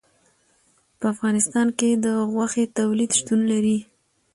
په افغانستان کې د غوښې تولید شتون لري.